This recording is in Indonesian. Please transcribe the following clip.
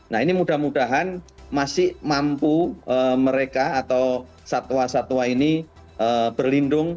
nah ini mudah mudahan masih mampu mereka atau satwa satwa ini berlindung